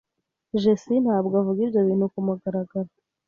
Jessie ntabwo avuga ibyo bintu kumugaragaro.